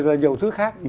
và nhiều thứ khác